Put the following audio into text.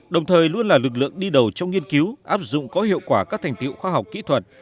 đồng thời luôn là lực lượng đi đầu trong nghiên cứu áp dụng có hiệu quả các thành tiệu khoa học kỹ thuật